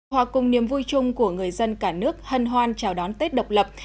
hòa cùng niềm vui chung của người dân cả nước hân hoan chào đón tết độc lập